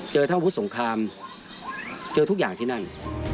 เจอทั้งอาวุธสงครามเจอทุกอย่างที่นั่น